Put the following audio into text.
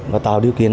và tạo điều kiện